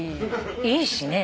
いいしね。